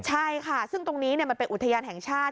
ใช่ค่ะซึ่งตรงนี้มันเป็นอุทยานแห่งชาติ